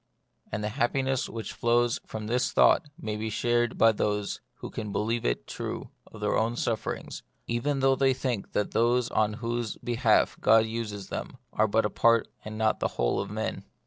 And the happiness which flows from this thought may be shared by those who can believe it true of their own sufferings, even though they think that those on whose behalf God uses them are but a part and not the whole of men.